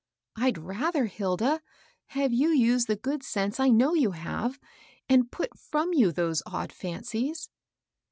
"I'd rather, H3da, have you use the good sense I know you have, and put from you those odd fancies.